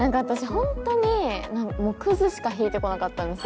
本当にもうクズしか引いてこなかったんですよ